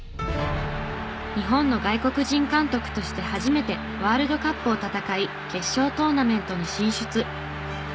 日本の外国人監督として初めてワールドカップを戦い決勝トーナメントに進出。